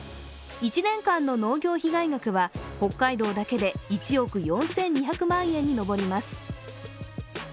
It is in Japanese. １年間の農業被害額は北海道だけで１億４２００万円に上ります。